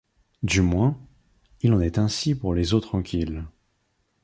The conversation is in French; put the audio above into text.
Du moins, il en est ainsi pour les eaux tranquilles.